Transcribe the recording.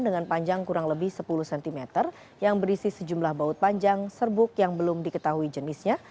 dengan panjang kurang lebih sepuluh cm yang berisi sejumlah baut panjang serbuk yang belum diketahui jenisnya